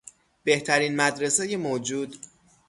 بهترین مدرسهی موجود